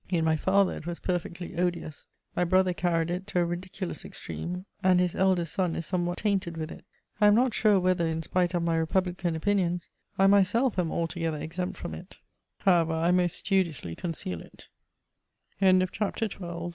In my father it was perfectly odious ; my brother carried it to a ridiculous ex^eme, and his eldest son is somewhat tainted with it. I am not sure, whether, in spite of my republican opinions, I myself ^m altogether exempt from it. However, I most studiously conceal it.